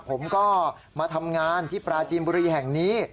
ผมก็มาทำงานที่ปราจีนบุรีแห่งนี้